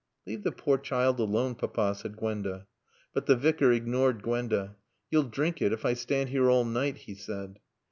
"Leave the poor child alone, Papa," said Gwenda. But the Vicar ignored Gwenda. "You'll drink it, if I stand here all night," he said.